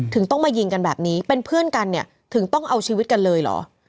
ถึงต้องมายิงกันแบบนี้เป็นเพื่อนกันเนี่ยถึงต้องเอาชีวิตกันเลยเหรอ